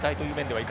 はい。